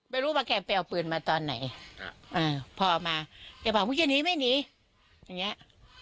ไม่รู้ว่าแกไปเอาปืนมาตอนไหนพอมาแกบอกมึงจะหนีไม่หนีอย่างเงี้ย